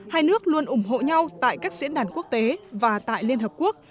hai nước luôn ủng hộ nhau tại các diễn đàn quốc tế và tại liên hợp quốc